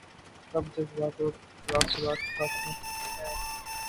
اب جذبات اور تاثرات حاکم ہیں۔